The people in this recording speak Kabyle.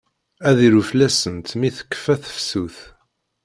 Ad iru fell-asent mi tekfa tefsut.